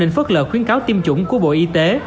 nên phớt lợi khuyến cáo tiêm chủng của bộ y tế